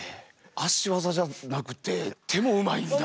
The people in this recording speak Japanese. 足技じゃなくて手もうまいんだ。